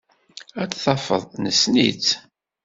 Ad tafeḍ nessen-itt.